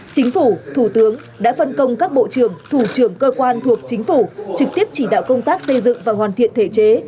chính phủ thủ tướng đã phân công các bộ trưởng thủ trưởng cơ quan thuộc chính phủ trực tiếp chỉ đạo công tác xây dựng và hoàn thiện thể chế